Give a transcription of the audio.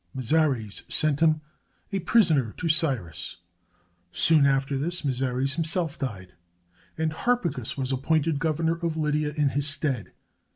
Mazares sent him, a prisoner, to Cyrus. Soon after this Mazares himself died, and Harpagus was appointed governor of Lydia in his stead.